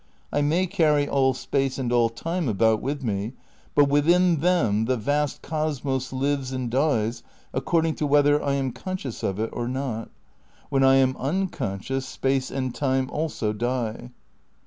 I may carry all space and all time about with me, but within them the vast cosmos lives and dies according to whether I am conscious of it or not. When I am unconscious space and time also die.